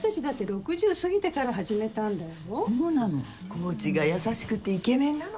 コーチが優しくてイケメンなの。